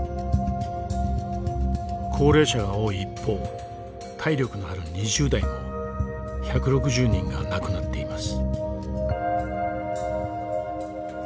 高齢者が多い一方体力のある２０代も１６０人が亡くなっています。